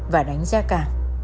và đánh giá cả